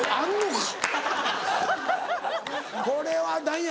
これは何や？